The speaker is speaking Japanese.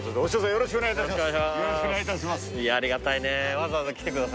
よろしくお願いします。